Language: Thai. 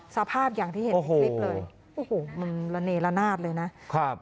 สภาพอย่างที่เห็นในคลิปเลยโอ้โหมันระเนละนาดเลยนะครับ